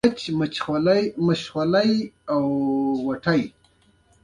دا وخت ضایع کول دي.